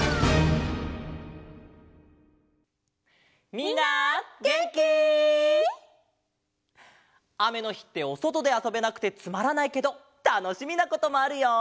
みんなげんき？あめのひっておそとであそべなくてつまらないけどたのしみなこともあるよ！